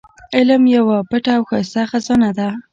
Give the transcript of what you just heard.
علم يوه پټه او ښايسته خزانه ده.